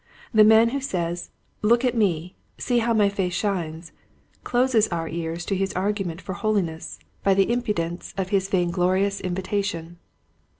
The man who says, "Look at me, see how my face shines !" closes our ears to his argu ment for holiness by the impudence of Unco7iscio2is Decay. 209 his vainglorious invitation.